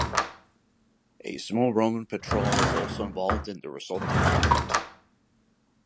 A small Roman patrol is also involved in the resulting fight.